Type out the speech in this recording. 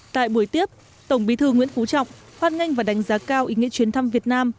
tại buổi tiếp tổng bí thư nguyễn phú trọng hoan nghênh và đánh giá cao ý nghĩa chuyến thăm việt nam